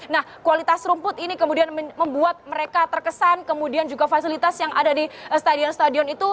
nah kualitas rumput ini kemudian membuat mereka terkesan kemudian juga fasilitas yang ada di stadion stadion itu